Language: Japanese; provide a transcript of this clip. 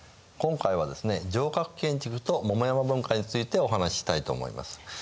今回はですね城郭建築と桃山文化についてお話ししたいと思います。